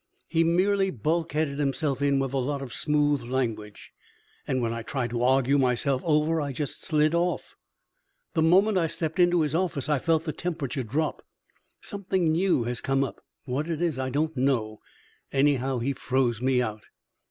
"He merely bulkheaded himself in with a lot of smooth language, and when I tried to argue myself over I just slid off. The moment I stepped into his office I felt the temperature drop. Something new has come up; what it is, I don't know. Anyhow, he froze me out."